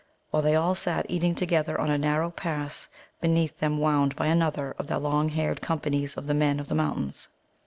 While they all sat eating together, on a narrow pass beneath them wound by another of the long haired companies of the Men of the Mountains.